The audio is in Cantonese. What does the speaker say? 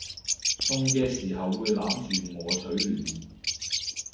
凍嘅時候會攬住我取暖